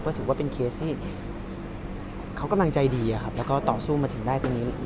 ก็ถือว่าเป็นเคสที่เขากำลังใจดีแล้วก็ต่อสู้มาถึงได้ตรงนี้